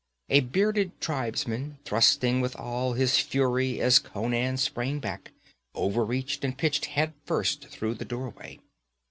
A bearded tribesman, thrusting with all his fury as Conan sprang back, overreached and pitched head first through the doorway.